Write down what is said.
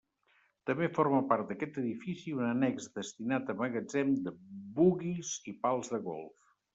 També forma part d'aquest edifici un annex destinat a magatzem de buguis i pals de golf.